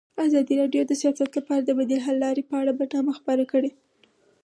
ازادي راډیو د سیاست لپاره د بدیل حل لارې په اړه برنامه خپاره کړې.